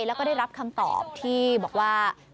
แล้วก็ได้รับคำตอบที่บอกว่า